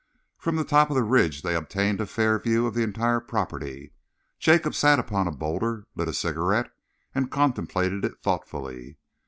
From the top of the ridge they obtained a fair view of the entire property. Jacob sat upon a boulder, lit a cigarette and contemplated it thoughtfully.